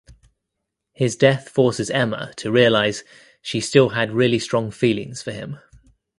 His death forces Emma to realise "she still had really strong feelings for him".